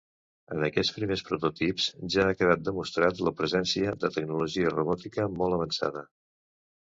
En aquests primers prototips ja ha quedat demostrat la presència de tecnologia robòtica molt avançada.